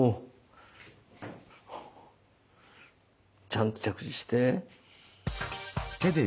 ちゃんと着地して。